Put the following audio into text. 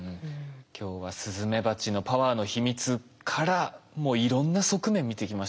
今日はスズメバチのパワーの秘密からいろんな側面見てきました。